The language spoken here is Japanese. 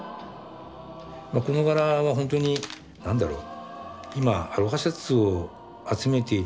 この柄は本当に何だろう。